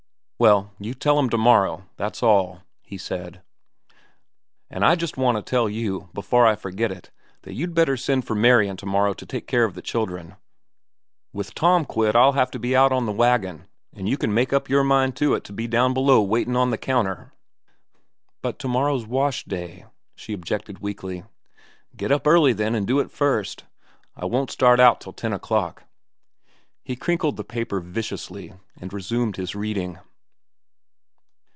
"Well, you tell 'm to morrow, that's all," he said. "An' I just want to tell you, before I forget it, that you'd better send for Marian to morrow to take care of the children. With Tom quit, I'll have to be out on the wagon, an' you can make up your mind to it to be down below waitin' on the counter." "But to morrow's wash day," she objected weakly. "Get up early, then, an' do it first. I won't start out till ten o'clock." He crinkled the paper viciously and resumed his reading.